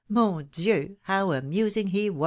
Mon Dieu ! how amusing he was